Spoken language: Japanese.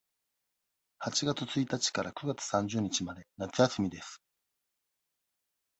八月一日から九月三十日まで夏休みです。